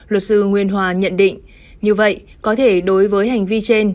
luật sư nguyên hòa nhận định như vậy có thể đối với hành vi trên